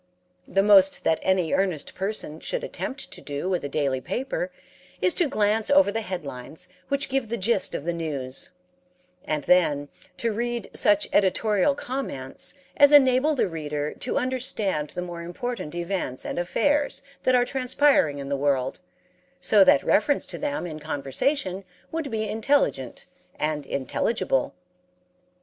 The most that any earnest person should attempt to do with a daily paper is to glance over the headlines which give the gist of the news, and then to read such editorial comments as enable the reader to understand the more important events and affairs that are transpiring in the world so that reference to them in conversation would be intelligent and intelligible.